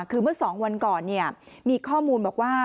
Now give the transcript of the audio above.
คือเมื่อ๒วันก่อนมีข้อมูลบอกว่า